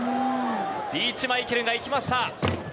リーチマイケルがいきました。